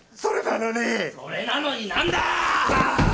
それなのになんだ！？